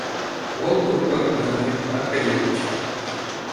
Вӑл пурпӗр ыранхи куна кӗтетчӗ.